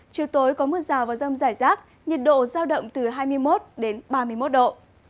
chiều tối có mưa rào và rông rải rác nhiệt độ giao động từ hai mươi một đến ba mươi một độ